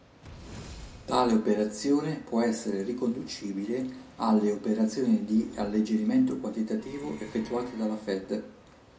Tale operazione può essere riconducibile alle operazioni di alleggerimento quantitativo effettuate dalla Fed.